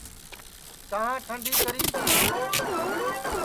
چاں ٹنڈی کری پی